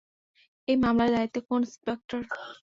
এই মামলার দায়িত্বে কোন ইন্সপেক্টর?